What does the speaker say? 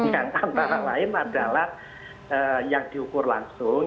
yang antara lain adalah yang diukur langsung